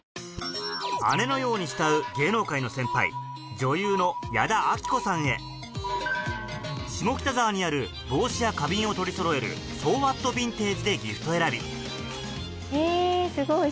姉のように慕う芸能界の先輩女優の矢田亜希子さんへ下北沢にある帽子や花瓶を取りそろえる「ｓｏｗｈａｔｖｉｎｔａｇｅ」でギフト選びえすごい